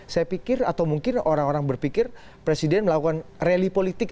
saya pikir atau mungkin orang orang berpikir presiden melakukan rally politik